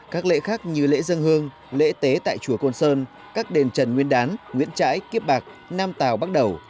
các lễ khác như lễ dân hương lễ tế tại chùa côn sơn các đền trần nguyên đán nguyễn trãi kiếp bạc nam tào bắc đầu